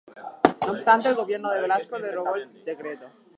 No obstante el gobierno de Velasco derogó el decreto.